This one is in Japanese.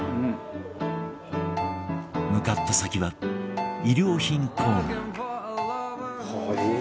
向かった先は衣料品コーナー